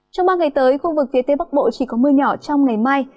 trong ba ngày tới khu vực phía tây bắc bộ chỉ có mưa nhỏ trong ngày mai